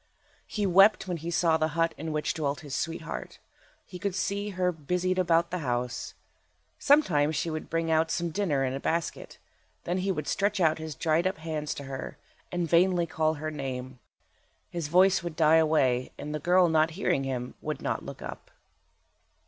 He wept when he saw the hut in which dwelt his sweetheart. He could see her busied about the house. Sometimes she would bring out some dinner in a basket. Then he would stretch out his dried up hands to her, and vainly call her name. His voice would die away, and the girl not hearing him would not look up.